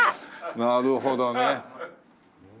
なるほどね。